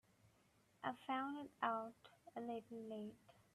I found it out a little late.